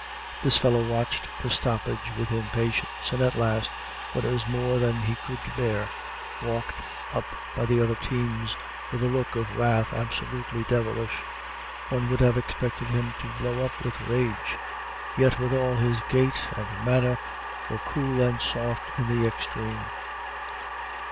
This fellow watched the stoppage with impatience, and at last, when it was more than he could bear, walked up by the other teams with a look of wrath absolutely devilish. One would have expected him to blow up with rage; yet withal his gait and manner were cool and soft in the extreme.